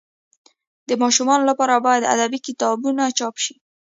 د ماشومانو لپاره باید ادبي کتابونه چاپ سي.